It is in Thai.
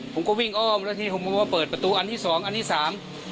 ผมก็วิ่งอ้อมแล้วทีผมก็มาเปิดประตูอันที่สองอันที่สาม